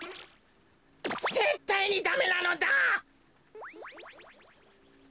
ぜったいにダメなのだ！